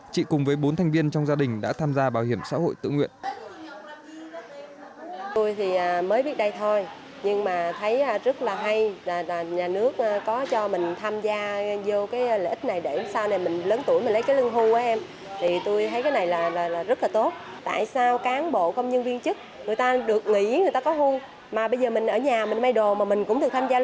chị cùng với bốn thành viên trong gia đình đã tham gia bảo hiểm xã hội tự nguyện